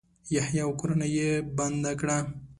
یحیی او کورنۍ یې بنده کړه.